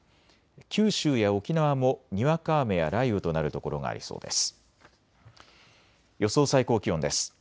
九州や沖縄もにわか雨や雷雨となるところがありそうです。